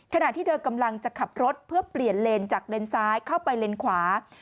ขณะที่เธอกำลังจะขับรถเพื่อเปลี่ยนเลนจากเลนซ้ายเข้าไปเลนขวา